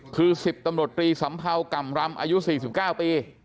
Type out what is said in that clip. คือ๑๐ตำรวจตรีสำเภาก่ำรำอายุ๔๙ปี